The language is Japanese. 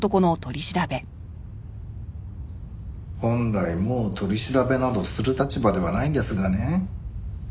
本来もう取り調べなどする立場ではないんですがね。